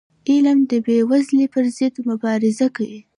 علم د بېوزلی پر ضد مبارزه کوي.